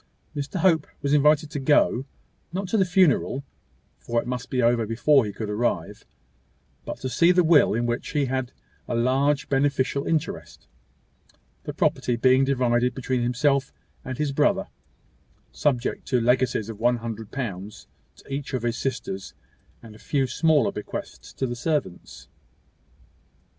Mr Hope was invited to go not to the funeral, for it must be over before he could arrive, but to see the will, in which he had a large beneficial interest, the property being divided between himself and his brother, subject to legacies of one hundred pounds to each of his sisters, and a few smaller bequests to the servants.